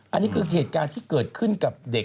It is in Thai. อันนี้คือเหตุการณ์ที่เกิดขึ้นกับเด็ก